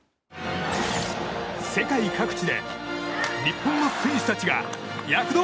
世界各地で日本の選手たちが、躍動！